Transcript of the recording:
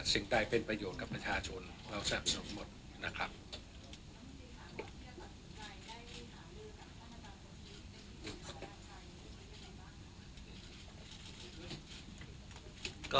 สิ่งใดเป็นประโยชน์กับประชาชนเราสับสนหมดนะครับ